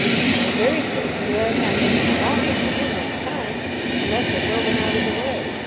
I am very certain you have not been in my office within that time, unless it were when I was away.